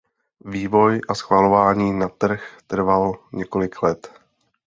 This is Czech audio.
Vývoj a schvalování na trh trval několik let.